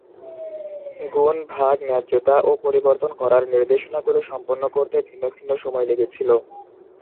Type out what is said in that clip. গুণ, ভাগ, ন্যায্যতা ও পরিবর্তন করার নির্দেশনাগুলো সম্পন্ন করতে ভিন্ন ভিন্ন সময় লেগেছিল।